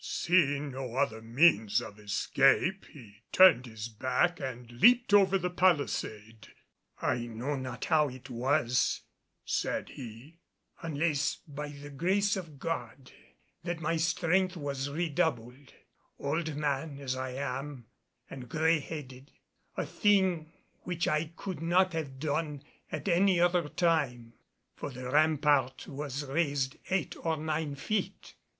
Seeing no other means of escape he turned his back and leaped over the palisade. "I know not how it was," said he, "unless by the grace of God, that my strength was redoubled, old man as I am and gray headed, a thing which I could not have done at any other time, for the rampart was raised eight or nine feet....